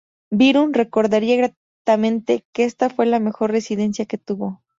Byron recordaría gratamente que esta fue la mejor residencia que tuvo.